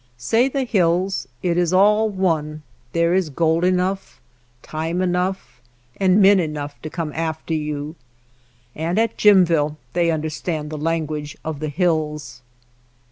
Say the hills. It is all one, there is gold enough, time enough, and men enough to 119 JIMVILLE /' come after you. And at Jimville they <^ understand the language of the hills.